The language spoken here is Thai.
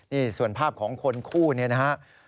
นี่ส่วนภาพของคนคู่นี้นะครับ